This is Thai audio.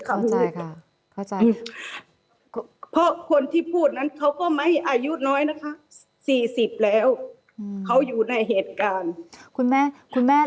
เข้าใจค่ะเพราะคนที่พูดนั้นเขาก็ไม่อายุน้อยนะคะ๔๐แล้วเขาอยู่ในเหตุการณ์